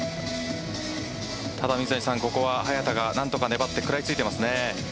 ただ、水谷さん、ここは早田が何とか粘って食らいついていますね。